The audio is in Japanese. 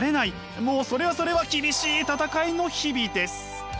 もうそれはそれは厳しい戦いの日々です。